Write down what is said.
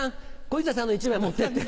小遊三さんの１枚持ってって。